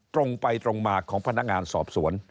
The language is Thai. ตรงไปตรงมาของพนักงานสอบสวน